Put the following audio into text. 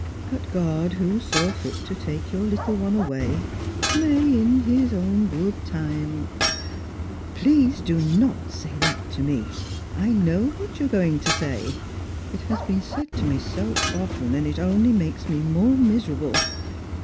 But God, who saw fit to take your little one away, may, in his good time "" Please do not say that to me. I know what you are going to say; it has been said to me so often, and it only makes me more miserable.